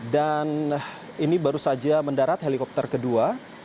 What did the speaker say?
dan ini baru saja mendarat helikopter kedua